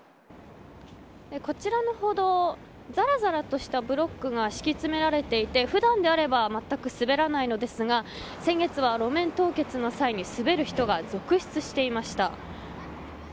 こちらの歩道ざらざらとしたブロックが敷き詰められていて普段であれば全く滑らないのですが先月は路面凍結の際に滑る人が続出していました。